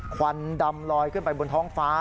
ควันดำลอยขึ้นไปบนท้องฟ้า